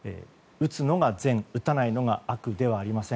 打つのが善、打たないのが悪ではありません。